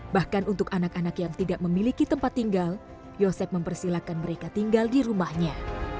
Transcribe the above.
bahkan untuk anak anak yang tidak memiliki tempat tinggal yosep mempersilahkan mereka tinggal di rumahnya